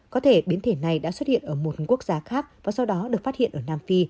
có thể biến thể này đã xuất hiện ở một quốc gia khác và sau đó được phát hiện ở nam phi